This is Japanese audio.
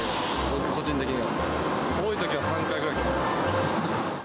僕、個人的には。多いときは３回ぐらい来てます。